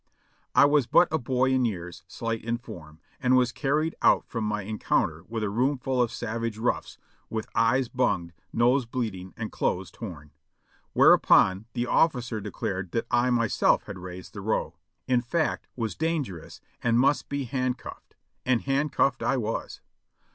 I was but a boy in years, slight in form, and was carried out from my encounter with a roomful of sav age roughs, with eyes bunged, nose bleeding and clothes torn; whereupon the officer declared that I myself had raised the row, in fact was dangerous and must be handcuffed, and handcuffed I was.